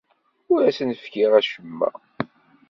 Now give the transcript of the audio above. Ur asen-fkiɣ acemma.